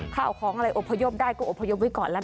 ข้าวของอะไรอพยพได้ก็อบพยพไว้ก่อนแล้วกัน